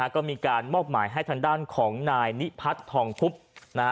ก็มีการมอบหมายให้ทางด้านของนายนิพัทธองทุพธิ์